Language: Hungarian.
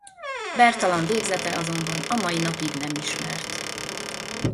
Bertalan végzete azonban a mai napig nem ismert.